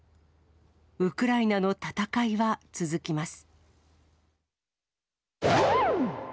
ウクライナの戦いは続きます。